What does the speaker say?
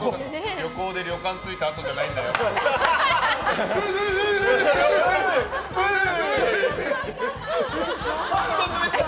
旅行で旅館着いたあとじゃないんだから。